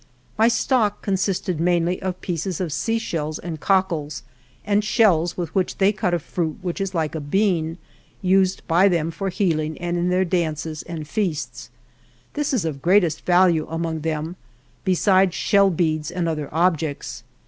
My stock consisted main 74 ALVAR NUNEZ GABEZA DE VACA ly of pieces of seashells and cockles, and shells with which they cut a fruit which is like a bean, used by them for healing and in their dances and feasts. This is of greatest value among them, besides shell beads and other objects.